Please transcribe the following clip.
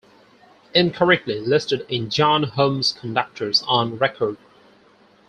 Incorrectly listed in John Holmes's Conductors on Record.